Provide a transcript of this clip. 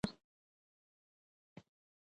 د پښتو ژبې د ساتنې لپاره نړیواله همکاري اړینه ده.